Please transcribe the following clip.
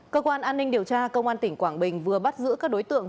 cơ quan an ninh điều tra công an tỉnh quảng bình vừa bắt giữ các đối tượng